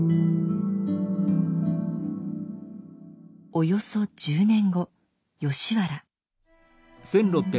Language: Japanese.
およそ１０年後吉原。